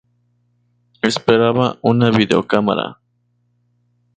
Esperaba una videocámara"".